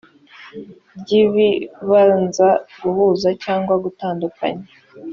ry ibibanza guhuza cyangwa gutandukanya